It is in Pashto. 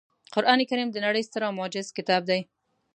قرانکریم د نړۍ ستر او معجز کتاب دی